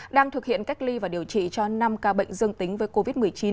đang thực hiện cách ly và điều trị cho năm ca bệnh dương tính với covid một mươi chín